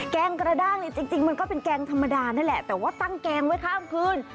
แกงกระด้างเนี่ยจริงมันก็เป็นแกงธรรมดานั่นแหละแต่ว่าตั้งแกงไว้ข้ามคืน